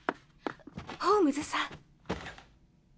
ホームズさん。